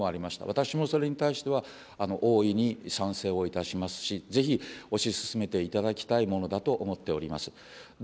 私もそれに対しては大いに賛成をいたしますし、ぜひ推し進めていただきたいものだと思っております。